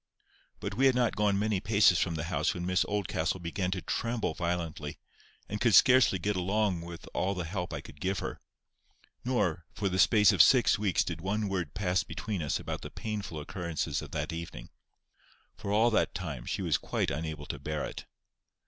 But we had not gone many paces from the house when Miss Oldcastle began to tremble violently, and could scarcely get along with all the help I could give her. Nor, for the space of six weeks did one word pass between us about the painful occurrences of that evening. For all that time she was quite unable to bear it.